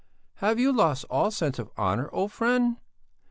"Have you lost all sense of honour, old friend?"